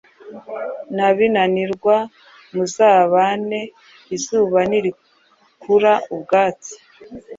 nabinanirwa muzabane. Izuba rikura ubwatsi,